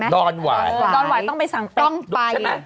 ด้อนไหวต้องไปสั่งต้องไป